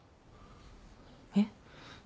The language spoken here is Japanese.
えっ？